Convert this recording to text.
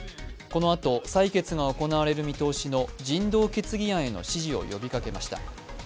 このあと採決が行われる見通しの人道決議案への支持を呼びかけました。